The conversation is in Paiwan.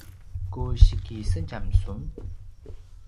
ku sikisedjam sun?